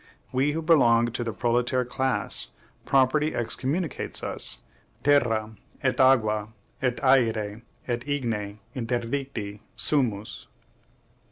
We who belong to the proletaire class: property excommunicates us! Terra, et aqua, et aere, et igne interdicti sumus.